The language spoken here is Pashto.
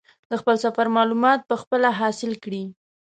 د خپل سفر معلومات په خپله حاصل کړي.